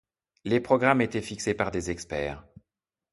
Les programmes étaient fixés par des experts.